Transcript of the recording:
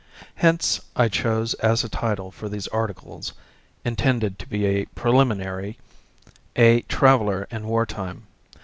Hence I chose as a title for these articles, intended to be preliminary, "A Traveller in War Time."